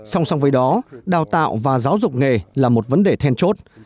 song song với đó đào tạo và giáo dục nghề là một vấn đề then chốt